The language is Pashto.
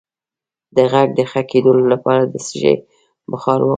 د غږ د ښه کیدو لپاره د څه شي بخار واخلئ؟